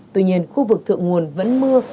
tuy nhiên khu vực thượng nguồn vẫn mưa